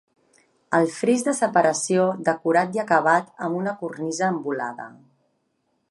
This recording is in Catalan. El fris de separació decorat i acabat amb una cornisa en volada.